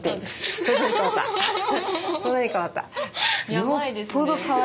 やばいですね。